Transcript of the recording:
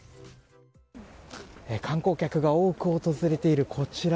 観光客が多く訪れているこちら。